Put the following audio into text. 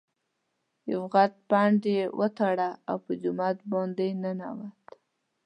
یو غټ پنډ یې وتاړه او په جومات باندې ننوت.